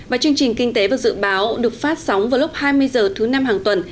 và chương trình kinh tế và dự báo được phát sóng vào lúc hai mươi h thứ năm hàng tuần